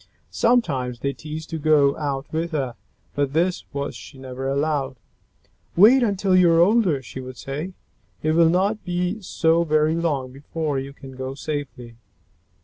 Sometimes they teased to go out with her, but this she never allowed. "Wait until you are older," she would say. "It will not be so very long before you can go safely."